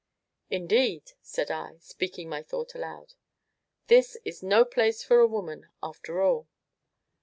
"Indeed," said I, speaking my thought aloud, "this is no place for a woman, after all."